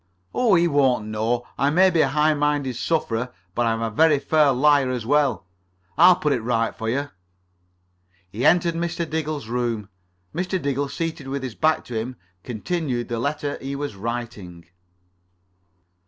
"Oh, he won't know. I may be a high minded sufferer,[Pg 41] but I'm a very fair liar as well. I'll put it right for you." He entered Mr. Diggle's room. Mr. Diggle, seated with his back to him, continued the letter he was writing.